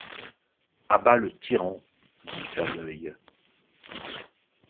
À bas le tyran! dit Fameuil.